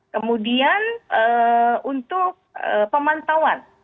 kemudian untuk pemantauan